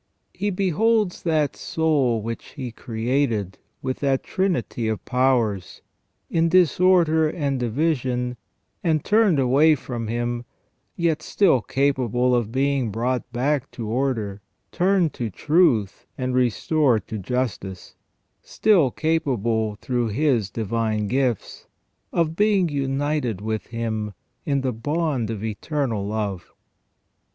He beholds that soul which He created with that trinity of powers, in disorder and division, and turned away from 376 FROM THE BEGINNING TO THE END OF MAN Him, yet still capable of being brought back to order, turned to truth and restored to justice ; still capable through His divine gifts of being united with Him in the bond of eternal love.